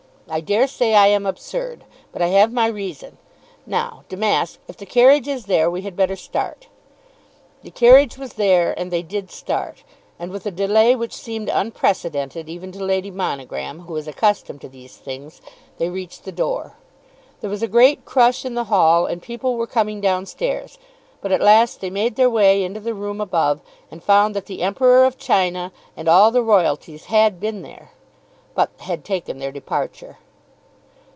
I dare say I am absurd. But I have my reason. Now, Damask, if the carriage is there we had better start." The carriage was there, and they did start, and with a delay which seemed unprecedented, even to Lady Monogram, who was accustomed to these things, they reached the door. There was a great crush in the hall, and people were coming down stairs. But at last they made their way into the room above, and found that the Emperor of China and all the Royalties had been there, but had taken their departure.